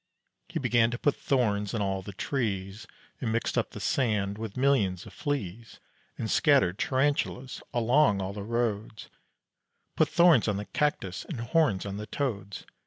He began to put thorns in all of the trees, And mixed up the sand with millions of fleas; And scattered tarantulas along all the roads; Put thorns on the cactus and horns on the toads.